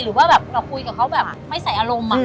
หรือว่าแบบเราคุยกับเขาแบบไม่ใส่อารมณ์